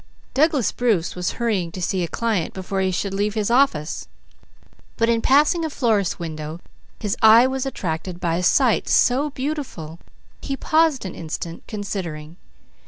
Douglas Bruce was hurrying to see a client before he should leave his office; but in passing a florist's window his eye was attracted by a sight so beautiful he paused an instant, considering.